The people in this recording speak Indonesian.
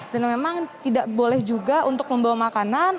dan memang tidak boleh juga untuk membawa makanan